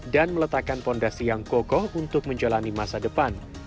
dan meletakkan fondasi yang kokoh untuk menjalani masa depan